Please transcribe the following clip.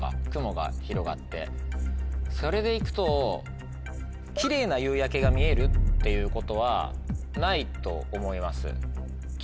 それで行くときれいな夕焼けが見えるっていうことはないと思います。